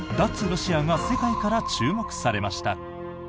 ロシアが世界から注目されました。